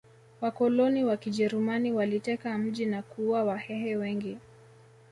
Wakoloni wakijerumani waliteka mji na kuua wahehe wengi